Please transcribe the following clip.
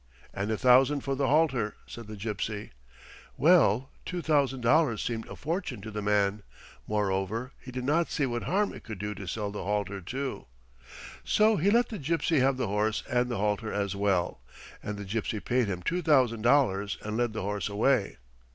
"And a thousand for the halter," said the gypsy. Well, two thousand dollars seemed a fortune to the man. Moreover he did not see what harm it could do to sell the halter too. So he let the gypsy have the horse and the halter as well, and the gypsy paid him two thousand dollars and led the horse away.